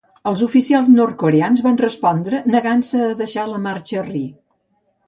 Els oficials nord-coreans van respondre negant-se a deixar marxar Ri.